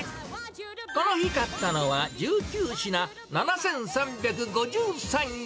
この日買ったのは、１９品７３５３円。